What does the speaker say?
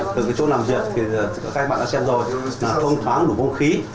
từ cái chỗ làm việc thì các bạn đã xem rồi không thoáng đủ vũ khí